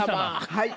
はい。